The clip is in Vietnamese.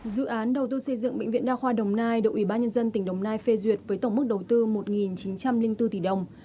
dự án đầu tư xây dựng bệnh viện đa khoa đồng nai được ủy ban nhân dân tỉnh đồng nai phê duyệt với tổng mức đầu tư một chín trăm linh bốn tỷ đồng